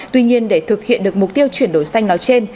tuy nhiên để thực hiện được mục tiêu chuyển đổi xanh nói trên